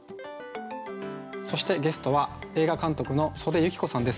そしてゲストは映画監督の岨手由貴子さんです。